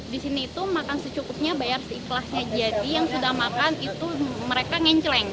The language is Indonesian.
di sini itu makan secukupnya bayar seikhlasnya jadi yang sudah makan itu mereka ngenceleng